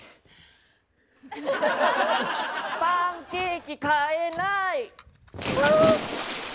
「パンケーキ買えない」